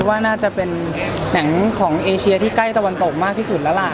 มันจะเป็นหนึ่งของเอเชียที่ใกล้ตะวันตกมากที่สุด